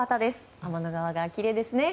天の川がきれいですね。